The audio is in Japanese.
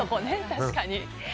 確かに。